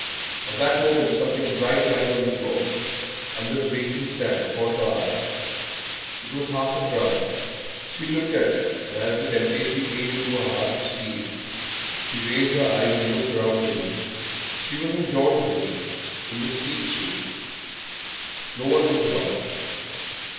At that moment something bright lying on the floor, under the basin stand, caught her eye. It was half a crown. She looked at it, and as the temptation came into her heart to steal, she raised her eyes and looked round the room. She was in John's room in the sneak's room. No one was about.